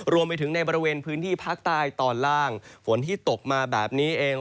รวมไปถึงในบริเวณพื้นที่ภาคใต้ตอนล่างฝนที่ตกมาแบบนี้เอง